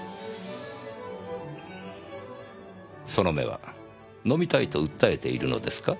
その目は飲みたいと訴えているのですか？